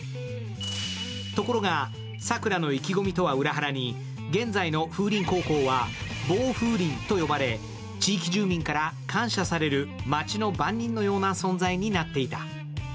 ところが、桜の意気込みとは裏腹に現在の風鈴高校はボウフウリンと呼ばれ地域住民から感謝される街の番人のような存在になっていた。